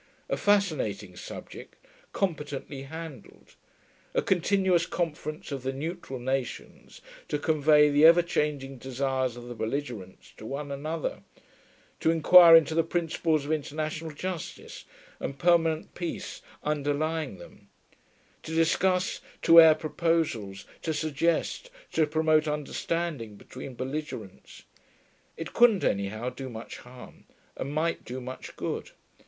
A fascinating subject, competently handled. A continuous conference of the neutral nations, to convey the ever changing desires of the belligerents to one another, to inquire into the principles of international justice and permanent peace underlying them, to discuss, to air proposals, to suggest, to promote understanding between belligerents. It couldn't, anyhow, do much harm, and might do much good.